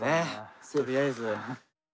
とりあえず。